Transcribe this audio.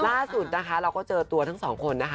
ล่าสุดนะคะเราก็เจอตัวทั้งสองคนนะคะ